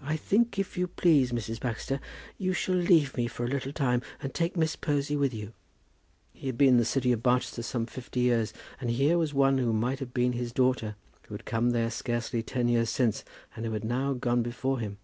"I think, if you please, Mrs. Baxter, you shall leave me for a little time, and take Miss Posy with you." He had been in the city of Barchester some fifty years, and here was one who might have been his daughter, who had come there scarcely ten years since, and who now had gone before him!